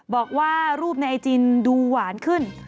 บอกว่ารูปในไอจินดูหวานขึ้น